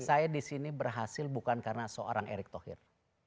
saya di sini berhasil bukan karena seorang erick thohir